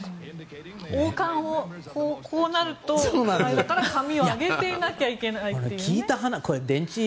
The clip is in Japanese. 王冠がこうなるといけないから紙を上げていなきゃいけないという。